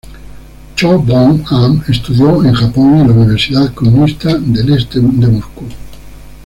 Cho Bong-am estudió en Japón y en la Universidad Comunista del Este de Moscú.